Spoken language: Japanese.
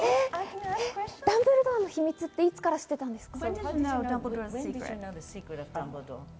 ダンブルドアの秘密って知っていたんですか？